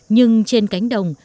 nhưng trên cánh đồng